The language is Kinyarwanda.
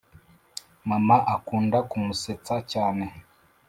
mama akunda kumusetsa cyane